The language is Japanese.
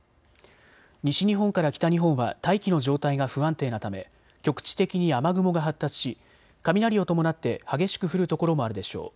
西日本から北日本は大気の状態が不安定なため局地的に雨雲が発達し雷を伴って激しく降る所もあるでしょう。